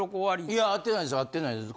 いや会ってないです会ってないです。